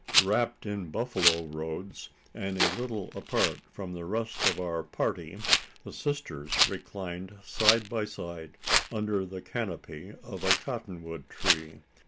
Wrapped in buffalo robes, and a little apart from the rest of our party, the sisters reclined side by side under the canopy of a cotton wood tree.